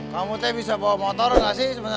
kamu bisa bawa motor enggak sih